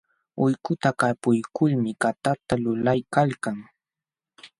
Utkuta kaypuykulmi katata lulaykalkan.